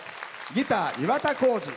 ギター、岩田光司。